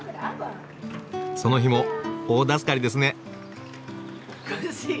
そのヒモ大助かりですね！